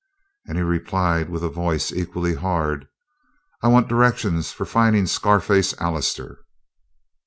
And he replied with a voice equally hard: "I want direction for finding Scar faced Allister."